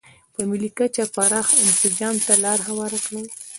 په ملي کچه پراخ انسجام ته لار هواره کړي.